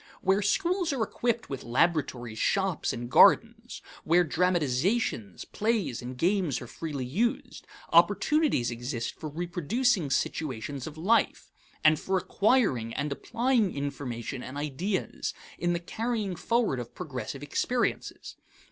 Where schools are equipped with laboratories, shops, and gardens, where dramatizations, plays, and games are freely used, opportunities exist for reproducing situations of life, and for acquiring and applying information and ideas in the carrying forward of progressive experiences.